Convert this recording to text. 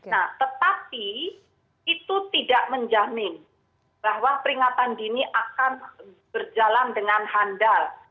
nah tetapi itu tidak menjamin bahwa peringatan dini akan berjalan dengan handal